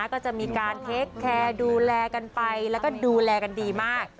ก็จะมีการเทคแคร์ดูแลกันไปแล้วก็ดูแลกันดีมาก